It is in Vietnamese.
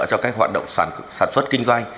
cho các hoạt động sản xuất kinh doanh